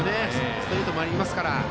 ストレートもありますから。